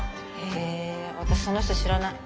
へえ私その人知らない。